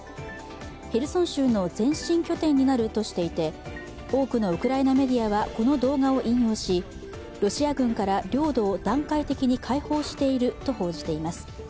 ヘルソン州の前進拠点になるとしていて多くのウクライナメディアはこの動画を引用し、ロシア軍から領土を段階的に解放していると報じています。